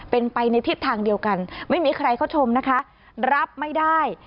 เป็นไปในทิศทางเดียวกันไม่มีใครเข้าชมนะคะรับไม่ได้